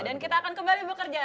dan kita akan kembali bekerja